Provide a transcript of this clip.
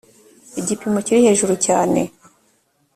igipimo kiri hejuru cyane.